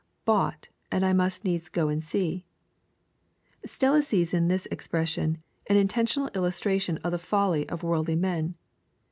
[Bought.^and I must needs go and «c€.] Stella sees in this expression an intentional illustration of the folly of worldly men.